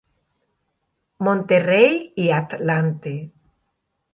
Monterrey y Atlante.